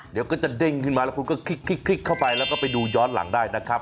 เดี๋ยวก็จะเด้งขึ้นมาแล้วคุณก็คลิกเข้าไปแล้วก็ไปดูย้อนหลังได้นะครับ